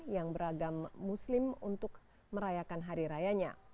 yang beragam muslim untuk merayakan hari rayanya